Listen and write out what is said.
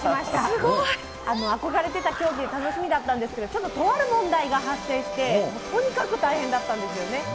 すごい。憧れていた競技で楽しみだったんですけど、ちょっと、とある問題が発生して、とにかく大変だったんですよね。